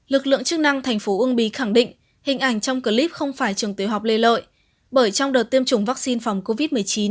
lực lượng chức năng tp ub khẳng định hình ảnh trong clip không phải trường tiểu học lê lợi bởi trong đợt tiêm chủng vaccine phòng covid một mươi chín